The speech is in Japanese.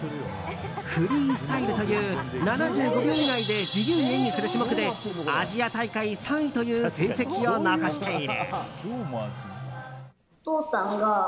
フリースタイルという７５秒以内で自由に演技する種目でアジア大会３位という成績を残している。